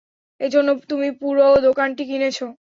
এ জন্য তুমি পুরো দোকানটি কিনেছো।